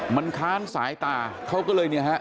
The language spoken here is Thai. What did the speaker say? มันค้านสายตาเขาก็เลยเนี่ยฮะ